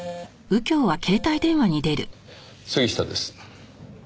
杉下です。